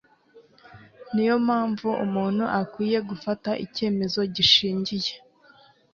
niyo mpamvu umuntu akwiye gufata icyemezo gishingiye